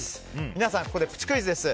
皆さん、ここでプチクイズです。